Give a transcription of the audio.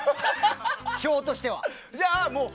票としては。